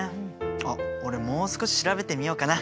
あっ俺もう少し調べてみようかな。